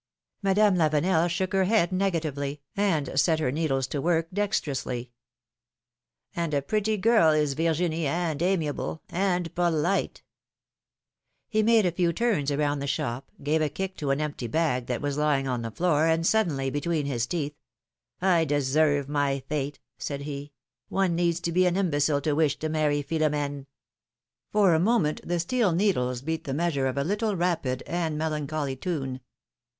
Madame Lavenel shook her head negatively, and set her needles to work dextrously. ^^And a pretty girl is Virginie, and amiable, and polite !" He made a few turns around the shop, gave a kick to an empty bag that was lying on the floor, and suddenly, between his teeth: 130 philom£:ne's makeiages. deserve my fate/' said he; '^one needs to be an imbecile to wish to marry Philom^ne !" For a moment the steel needles beat the measure of a little rapid and melancholy tune.